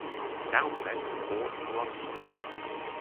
Dowsett was born in London.